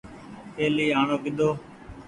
پهلي آڻو ڪيۮو۔